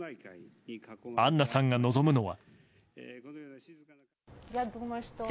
アンナさんが望むのは。